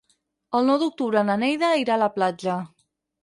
El nou d'octubre na Neida irà a la platja.